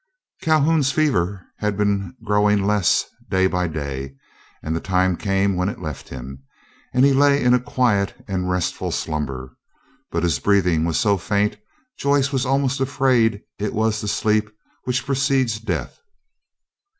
Calhoun's fever had been growing less day by day, and the time came when it left him, and he lay in a quiet and restful slumber. But his breathing was so faint, Joyce was almost afraid it was the sleep which precedes death.